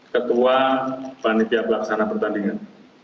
ketua panitia pelaksanaan pertandingan